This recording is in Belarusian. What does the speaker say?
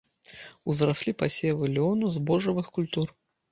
Узраслі пасевы лёну, збожжавых культур.